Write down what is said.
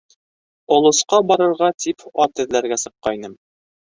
Олосҡа барырға тип ат эҙләргә сыҡҡайным.